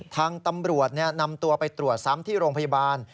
ทางตำรวจนำตัวไปตรวจซ้ำที่โรงพยาบาล